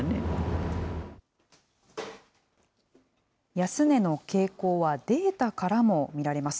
安値の傾向はデータからも見られます。